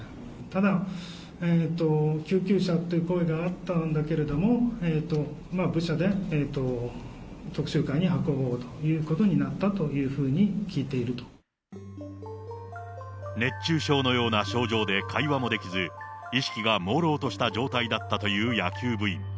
ただ救急車という声があったんだけれども、部車でとくしゅうかいに運ぼうということになったというふうに聞熱中症のような症状で会話もできず、意識がもうろうとした状態だったという野球部員。